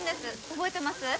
覚えてます？